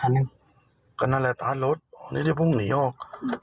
นั่นแหละตารถลดนี่เพิ่งหนีออก